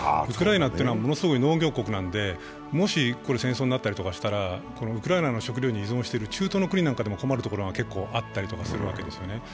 ウクライナというのはものすごい農業国なので、もし戦争になったりとかしたら、ウクライナの食料に依存してる中東の国なんかでも困るところがあったりするんです。